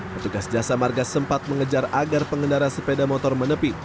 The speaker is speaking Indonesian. petugas jasa marga sempat mengejar agar pengendara sepeda motor menepi